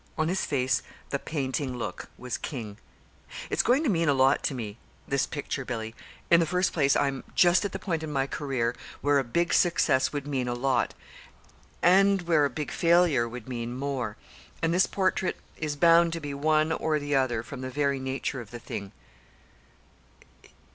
On his face the "painting look" was king. "It's going to mean a lot to me this picture, Billy. In the first place I'm just at the point in my career where a big success would mean a lot and where a big failure would mean more. And this portrait is bound to be one or the other from the very nature of the thing."